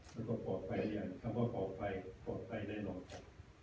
แล้วก็ปลอดภัยอย่างคำว่าปลอดภัยปลอดภัยแน่นอนครับ